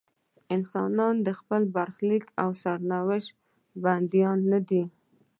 انسانان د خپل برخلیک او سرنوشت بندیان نه دي.